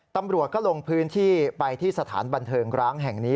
ตำรวจก็ลงพื้นที่ไปที่สถานบันเทิงร้างแห่งนี้